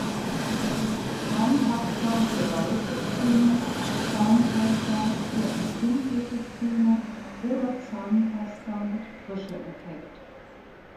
Zahnpasta für weiße Zähne, Zahnpasta für empfindliche Zähne oder Zahnpasta mit Frische-Effekt.